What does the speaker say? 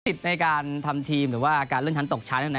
ในการทำทีมหรือว่าการเลื่อนชั้นตกชั้น